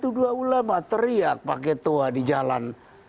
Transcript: tidak ada ulama ulama teriak pakai tua di jalan